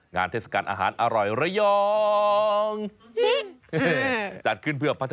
นางใหญ่จริง